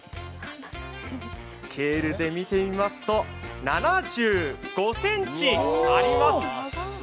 スケールで見てみますと７５ｃｍあります。